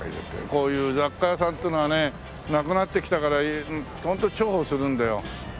こういう雑貨屋さんっていうのはねなくなってきたからホント重宝するんだよ。